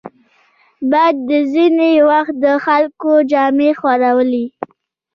باد ځینې وخت د خلکو جامې ښوروي